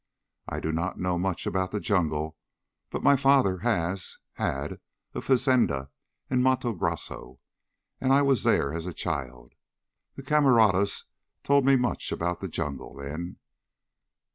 I do not know much about the jungle, but my father has had a fazenda in Matto Grosso and I was there as a child. The camaradas told me much about the jungle, then."